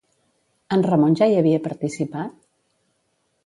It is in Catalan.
En Ramon ja hi havia participat?